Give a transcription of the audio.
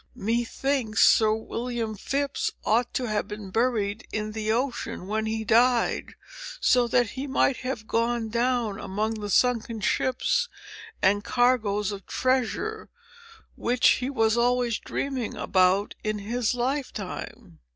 Me thinks Sir William Phips ought to have been buried in the ocean, when he died; so that he might have gone down among the sunken ships, and cargoes of treasure, which he was always dreaming about in his lifetime."